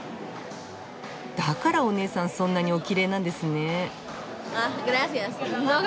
だからおねえさんそんなにおきれいなんですね！